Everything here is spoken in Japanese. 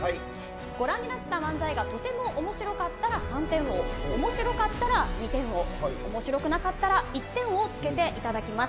ご覧になった漫才がとても面白かったら３点を面白かったら２点を面白くなかったら１点をつけていただきます。